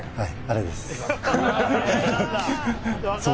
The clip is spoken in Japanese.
はい